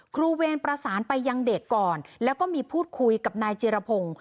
เวรประสานไปยังเด็กก่อนแล้วก็มีพูดคุยกับนายจิรพงศ์